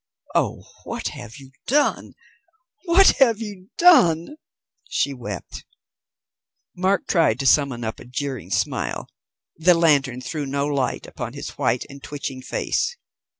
"Oh, what have you done, what have you done?" she wept. Mark tried to summon up a jeering smile. The lantern threw no light upon his white and twitching face.